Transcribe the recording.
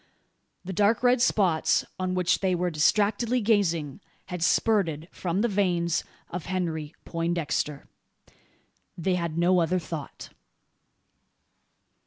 The dark red spots on which they were distractedly gazing had spurted from the veins of Henry Poindexter. They had no other thought.